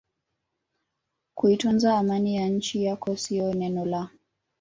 kuitunza Amani ya nchi yako sio neno la